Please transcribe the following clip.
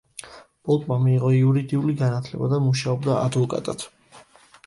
პოლკმა მიიღო იურიდიული განათლება და მუშაობდა ადვოკატად.